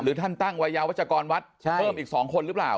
ท่านตั้งวัยยาวัชกรวัดเพิ่มอีก๒คนหรือเปล่า